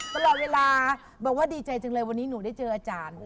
ตลอดเวลาบอกว่าดีใจจังเลยวันนี้หนูได้เจออาจารย์